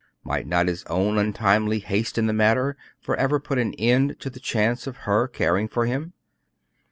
Might not his own untimely haste in the matter forever put an end to the chance of her caring for him?